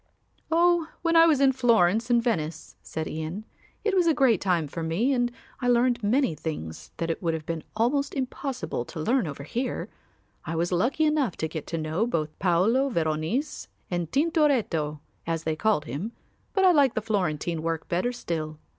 "Oh, when I was in Florence and Venice," said Ian; "it was a great time for me and I learned many things that it would have been almost impossible to learn over here. I was lucky enough to get to know both Paolo Veronese and Tintoretto as they called him, but I like the Florentine work better still.